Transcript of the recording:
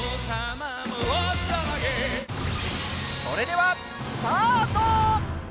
それでは、スタート！